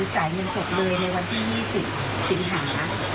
จ่ายเงินสดเลยในวันที่๒๐สิงหา